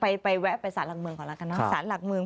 ไปไปแวะไปศาสนหลักเมืองก่อนแรกค่ะค่ะศาสนหลักเมือง